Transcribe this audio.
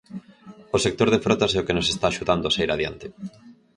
O sector de frotas é o que nos está axudando a saír adiante.